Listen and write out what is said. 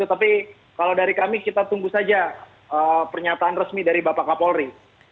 tapi kalau dari kami kita tunggu saja pernyataan resmi dari bapak kapolri